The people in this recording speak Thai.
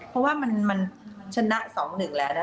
เพราะว่ามันชนะ๒๑แล้วนะ